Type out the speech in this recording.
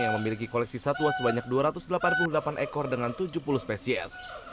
yang memiliki koleksi satwa sebanyak dua ratus delapan puluh delapan ekor dengan tujuh puluh spesies